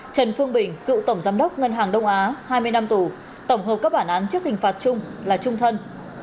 trần phương bình cựu tổng giám đốc ngân hàng đông á hai mươi năm tù tổng hợp các bản án trước hình phạt chung là trung thân